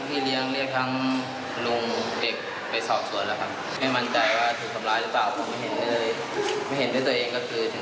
ปกติดีล่าเริงหยับใสคุยเก่ง